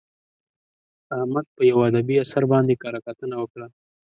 احمد په یوه ادبي اثر باندې کره کتنه وکړه.